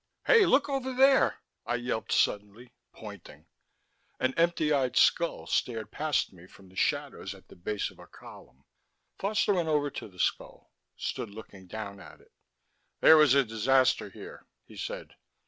"Hey, look over there," I yelped suddenly, pointing. An empty eyed skull stared past me from the shadows at the base of a column. Foster went over to the skull, stood looking down at it. "There was a disaster here," he said.